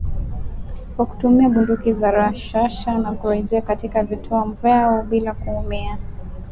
kwa kutumia bunduki za rashasha na kurejea katika vituo vyao bila kuumia.